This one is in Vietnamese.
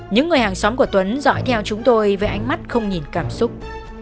những người hàng xóm của tuấn dõi theo chúng tôi với ánh mắt không nhìn cảm xúc